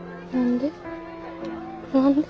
何で？